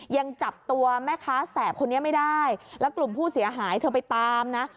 ยังจับตัวแม่ค้าแสบคนนี้ไม่ได้แล้วกลุ่มผู้เสียหายเธอไปตามนะ